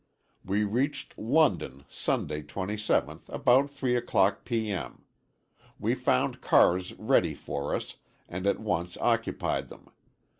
We reached London Sunday, 27th, about three o'clock P. M. We found cars ready for us, and at once occupied them.